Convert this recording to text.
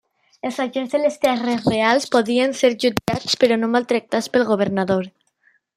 Els agents de les terres reals podien ser jutjats però no maltractats pel governador.